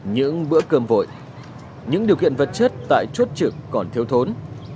những bữa cơm vội những điều kiện vật chất tại chốt trực còn thiếu thốn